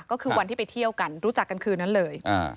ก็คือวันที่ไปเที่ยวกันรู้จักกันคืนนั้นเลย